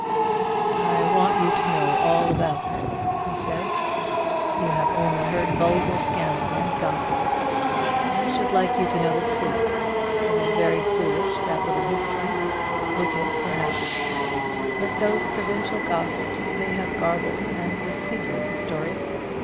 "I want you to know all about her," he said; "you have only heard vulgar scandal and gossip. I should like you to know the truth. It is very foolish, that little history wicked perhaps; but those provincial gossips may have garbled and disfigured the story.